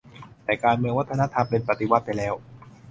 แต่การเมืองวัฒนธรรมเป็น 'ปฏิวัติ' ไปแล้ว